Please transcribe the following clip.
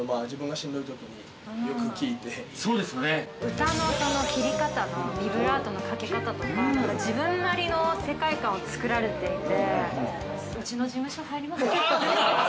歌の切り方ビブラートのかけ方とか自分なりの世界観を作られていて。